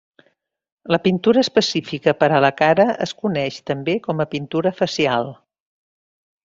La pintura específica per a la cara es coneix també com a pintura facial.